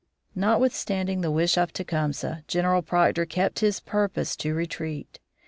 Notwithstanding the wish of Tecumseh, General Proctor kept his purpose to retreat.